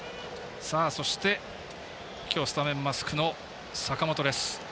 今日、スタメンマスクの坂本です。